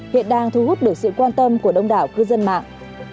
hiện đang thu hút được sự quan tâm của đông đảo cư dân mạng